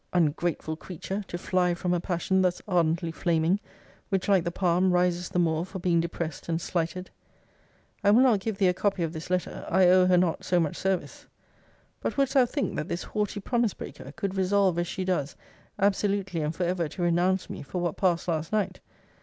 Ungrateful creature, to fly from a passion thus ardently flaming! which, like the palm, rises the more for being depressed and slighted. I will not give thee a copy of this letter. I owe her not so much service. But wouldst thou think, that this haughty promise breaker could resolve as she does, absolutely and for ever to renounce me for what passed last night?